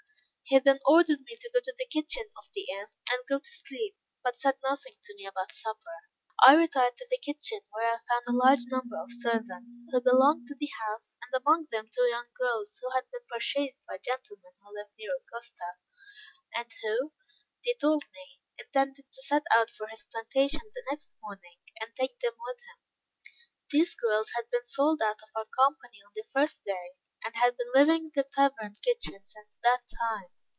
He then ordered me to go to the kitchen of the inn, and go to sleep; but said nothing to me about supper. I retired to the kitchen, where I found a large number of servants, who belonged to the house, and among them two young girls, who had been purchased by a gentleman who lived near Augusta; and who, they told me, intended to set out for his plantation the next morning, and take them with him. These girls had been sold out of our company on the first day; and had been living in the tavern kitchen since that time.